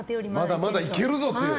まだまだいけるぞという。